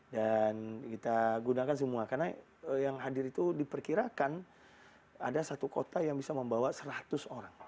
dan kita gunakan semua karena yang hadir itu diperkirakan ada satu kota yang bisa membawa seratus orang